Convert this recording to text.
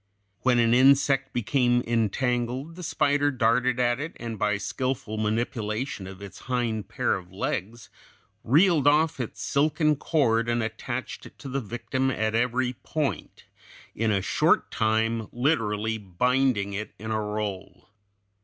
When an insect became entangled, the spider darted at it, and by skillful manipulation of its hind pair of legs reeled off its silken cord and attached it to the victim at every point, in a short time literally binding it in a roll.